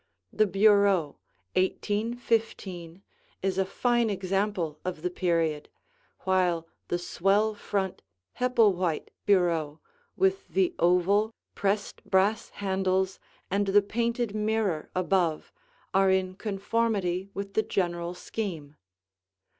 The bureau, 1815, is a fine example of the period, while the swell front, Hepplewhite bureau with the oval, pressed brass handles and the painted mirror above are in conformity with the general scheme.